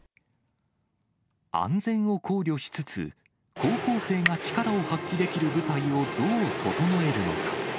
安全を考慮しつつ、高校生が力を発揮できる舞台をどう整えるのか。